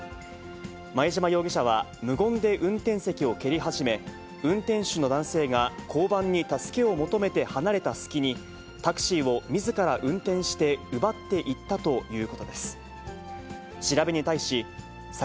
前嶋容疑者は無言で運転席を蹴り始め、運転手の男性が交番に助けを求めて離れた隙に、タクシーをみずから運転して奪っていったということです。